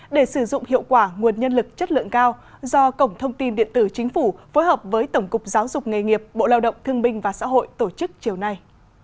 để sử dụng hiệu quả nguồn nhân lực chất lượng cao do cổng thông tin điện tử chính phủ phối hợp với tổng cục giáo dục nghề nghiệp bộ lao động thương binh và xã hội tổ chức chiều nay